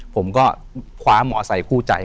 ผมก็คว้าเหมาะใส่คู่ใจ